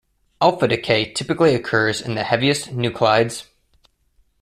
Alpha decay typically occurs in the heaviest nuclides.